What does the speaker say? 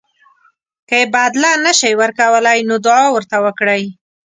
که یې بدله نه شئ ورکولی نو دعا ورته وکړئ.